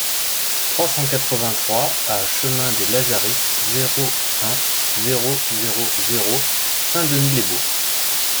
trois cent quatre-vingt-trois A chemin des Lazaristes, zéro un, zéro zéro zéro Saint-Denis-lès-Bourg